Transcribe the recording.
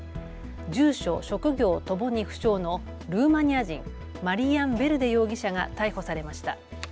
住所、職業ともに不詳のルーマニア人、マリアン・ヴェルデ容疑者が逮捕されました。